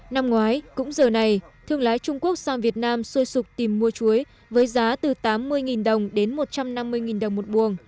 năm ngoái cũng giờ này thương lái trung quốc sang việt nam xuôi sụp tìm mua chuối với giá từ tám mươi đồng đến một trăm năm mươi đồng một buồng